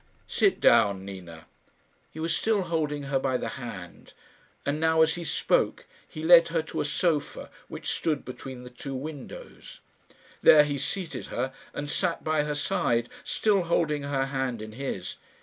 "Sit down, Nina." He was still holding her by the hand; and now, as he spoke, he led her to a sofa which stood between the two windows. There he seated her, and sat by her side, still holding her hand in his.